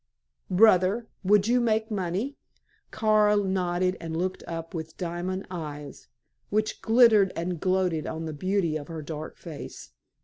Brother, would you make money?" Kara nodded and looked up with diamond eyes, which glittered and gloated on the beauty of her dark face.